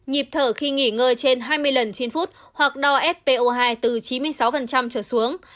nhịp thở khi nghỉ ngơi trên hai mươi lần trên phút hoặc đo s po hai từ chín mươi sáu trở xuống